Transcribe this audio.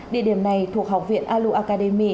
địa điểm này thuộc học viện alu academy